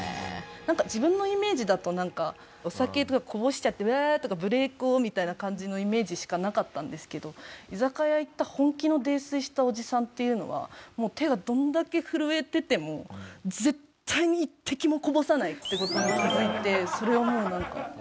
自分のイメージだとなんかお酒とかこぼしちゃって「うわ！」とか無礼講みたいな感じのイメージしかなかったんですけど居酒屋行った本気の泥酔したおじさんっていうのはもう手がどんだけ震えてても絶対に一滴もこぼさないって事に気づいてそれはもうなんか。